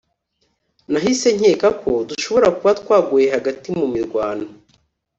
nahise nkeka ko dushobora kuba twaguye hagati mu mirwano